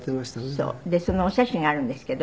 でそのお写真があるんですけど。